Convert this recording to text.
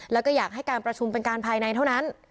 แล้วก็อยากให้การประชุมเป็นการภายในเท่านั้น